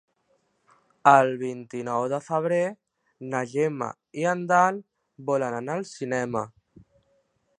El vint-i-nou de febrer na Gemma i en Dan volen anar al cinema.